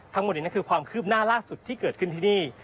ทั้งหมดนี้คือความคืบหน้าล่าสุดที่เกิดขึ้นที่นี่